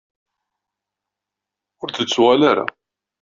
Ur d-tettuɣal ara.